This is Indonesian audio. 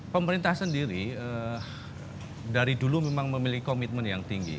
pemerintah sendiri dari dulu memang memiliki komitmen yang tinggi